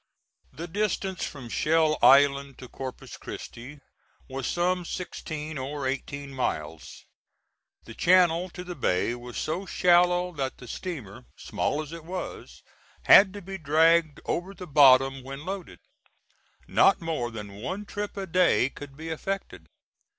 The distance from Shell Island to Corpus Christi was some sixteen or eighteen miles. The channel to the bay was so shallow that the steamer, small as it was, had to be dragged over the bottom when loaded. Not more than one trip a day could be effected.